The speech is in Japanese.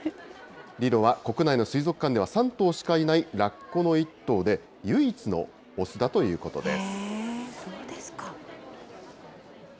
リロは国内の水族館では３頭しかいないラッコの１頭で、唯一の雄だということです。